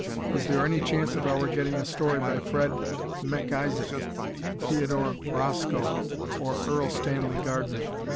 Is there any chance of our getting a story by Fred MacIsaac, Theodore Roscoe, or Erle Stanley Gardner?